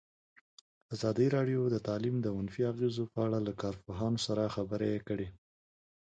ازادي راډیو د تعلیم د منفي اغېزو په اړه له کارپوهانو سره خبرې کړي.